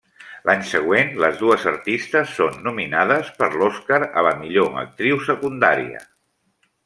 L'any següent, les dues artistes són nominades per l'Oscar a la millor actriu secundària.